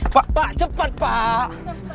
pak pak cepat pak